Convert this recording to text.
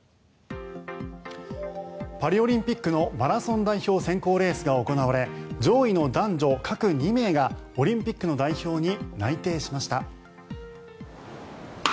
パリオリンピックのマラソン代表選考レースが行われ上位の男女各２名がオリンピックの代表に内定しました。